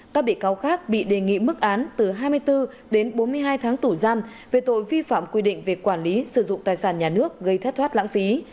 các bị cáo khác bị đề nghị mức án từ hai mươi bốn đến bốn mươi hai tháng tủ giam về tội vi phạm quy định về quản lý sử dụng tài sản nhà nước gây thất thoát lãng phí